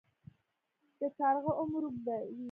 د کارغه عمر اوږد وي